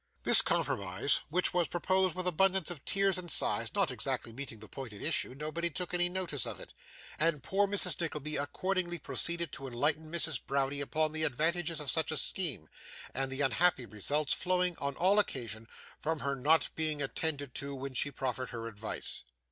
This compromise, which was proposed with abundance of tears and sighs, not exactly meeting the point at issue, nobody took any notice of it; and poor Mrs. Nickleby accordingly proceeded to enlighten Mrs. Browdie upon the advantages of such a scheme, and the unhappy results flowing, on all occasions, from her not being attended to when she proffered her advice.